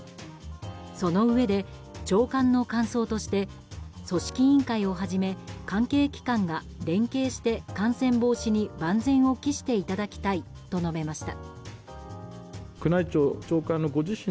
そのうえで、長官の感想として組織委員会をはじめ関係機関が連携して、感染防止に万全を期していただきたいと述べました。